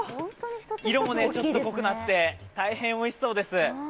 色もちょっと濃くなって大変おいしそうです。